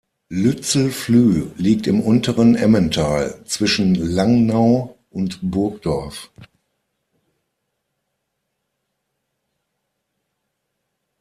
Lützelflüh liegt im unteren Emmental, zwischen Langnau und Burgdorf.